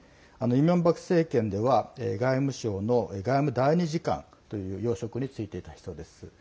イ・ミョンバク政権では外務省の外務第２次官という要職に就いていた人です。